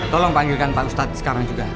tolong panggilkan pak ustadz sekarang juga